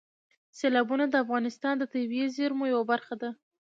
سیلابونه د افغانستان د طبیعي زیرمو یوه برخه ده.